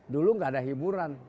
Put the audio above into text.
dulu gak ada hiburan